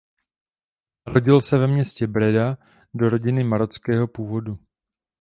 Narodil se ve městě Breda do rodiny marockého původu.